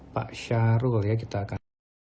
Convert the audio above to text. pak syarul ya kita akan